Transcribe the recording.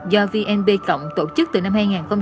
do vnp tổ chức từ năm hai nghìn một mươi